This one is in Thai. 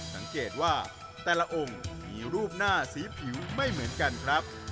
สังเกตว่าแต่ละองค์มีรูปหน้าสีผิวไม่เหมือนกันครับ